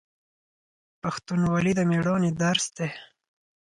پښتونولي د میړانې درس دی.